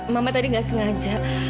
mama tadi gak sengaja